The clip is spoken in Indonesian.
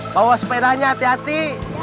bawa sepedanya hati hati